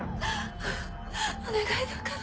お願いだから。